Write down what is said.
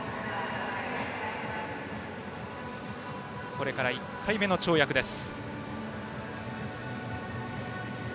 これから１回目の跳躍です。